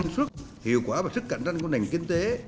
sức hiệu quả và sức cạnh tranh của nền kinh tế